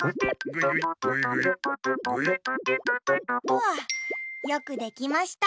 わあよくできました。